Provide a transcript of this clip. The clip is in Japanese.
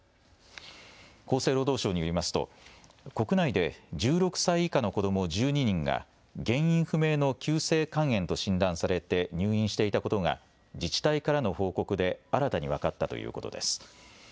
厚生労働省によりますと国内で１６歳以下の子ども１２人が原因不明の急性肝炎と診断されて入院していたことが自治体からの報告で新たに分かったということです。